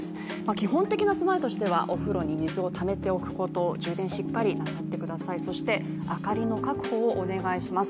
基本的な備えとしてはお風呂に水をためておくこと、充電をしっかりなさってください、そして明かりの確保をお願いします。